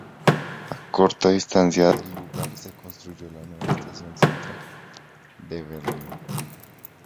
A corta distancia del lugar se construyó la nueva Estación Central de Berlín.